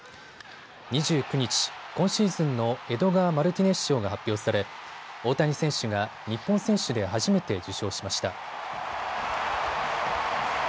２９日、今シーズンのエドガー・マルティネス賞が発表され大谷選手が日本選手で初めて受賞しました。